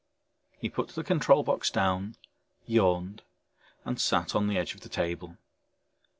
He put the control box down, yawned and sat on the edge of the table.